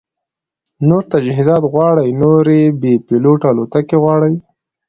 نور تجهیزات غواړي، نورې بې پیلوټه الوتکې غواړي